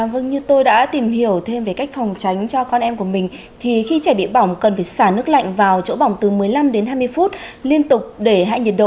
vâng như tôi đã tìm hiểu thêm về cách phòng tránh cho con em của mình thì khi trẻ bị bỏng cần phải xả nước lạnh vào chỗ bỏng từ một mươi năm đến hai mươi phút liên tục để hạ nhiệt độ